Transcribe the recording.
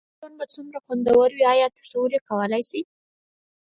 خو دا ژوند به څومره خوندور وي؟ ایا تصور یې کولای شئ؟